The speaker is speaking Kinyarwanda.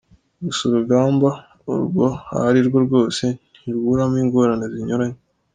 Gusa urugamba urwo arirwo rwose ntiruburamo ingorane zinyuranye.